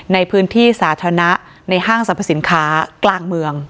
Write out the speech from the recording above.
ในพื้นที่สาธารณะในห้างสรรพสินค้ากลางเมือง